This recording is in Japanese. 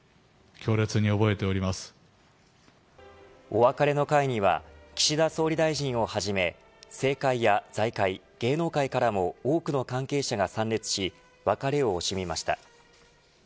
お別れの会には岸田総理大臣をはじめ政界や財界、芸能界からも多くの関係者が参列し別れを惜しみました。